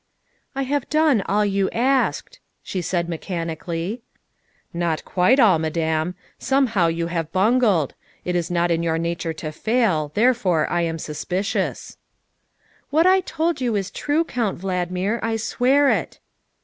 " I have done all you asked," she said mechanically. " Not quite all, Madame. Somehow you have bungled ; it is not in your nature to fail, therefore I am suspicious. '' THE SECRETARY OF STATE 117 " What I told you is true, Count Valdmir; I swear it."